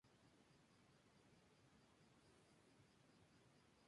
Pertenece a la antigua Comunidad de Villa y Tierra de Sepúlveda.